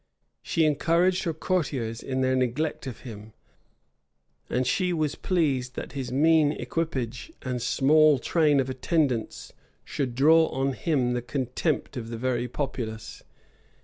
She encouraged her courtiers in their neglect of him; and she was pleased that his mean equipage and small train of attendants should draw on him the contempt of the very populace.